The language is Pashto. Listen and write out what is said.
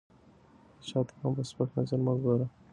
هېچا ته هم په سپک نظر مه ګورئ!